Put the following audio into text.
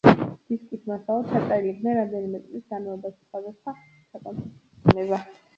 დისკის მასალა ჩაწერილი იქნა რამდენიმე წლის განმავლობაში, სხვადასხვა საკონცერტო ტურნეზე.